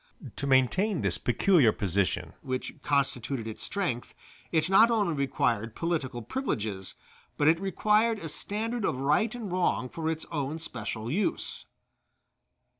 To maintain this peculiar position, which constituted its strength, it not only required political privileges, but it required a standard of right and wrong for its own especial use.